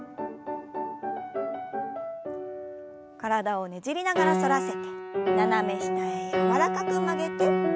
体をねじりながら反らせて斜め下へ柔らかく曲げて。